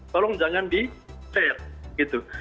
tolong jangan di share gitu